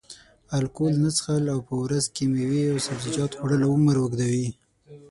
الکول نه څښل او په ورځ کې میوې او سبزیجات خوړل عمر اوږدوي.